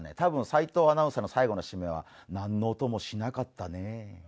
斎藤アナウンサーの最後の締めは何の音もしなかったね。